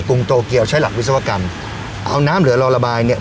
โตเกียวใช้หลักวิศวกรรมเอาน้ำเหลือรอระบายเนี่ย